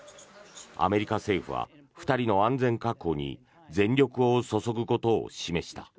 アメリカ政府は２人の安全確保に全力を注ぐことを示した。